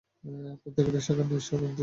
প্রত্যেকটি শাখার নিজস্ব দৃষ্টিভঙ্গি রয়েছে।